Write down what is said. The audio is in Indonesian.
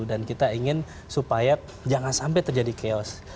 dan kita ingin supaya jangan sampai terjadi chaos